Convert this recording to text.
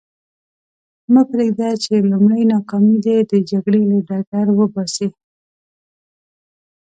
مه پرېږده چې لومړۍ ناکامي دې د جګړې له ډګر وباسي.